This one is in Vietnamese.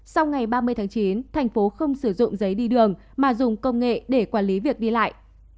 sau ngày ba mươi chín tp hcm không sử dụng giấy đi đường mà dùng công nghệ để quản lý việc đi lại